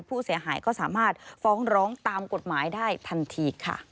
ผู้เสียหายก็สามารถฟ้องร้องตามกฎหมายได้ทันทีค่ะ